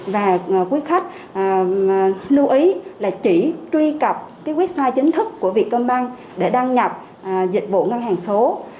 và quý khách lưu ý là chỉ truy cập website chính thức của việt công banh để đăng nhập dịch vụ ngân hàng số